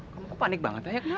kamu panik banget ayah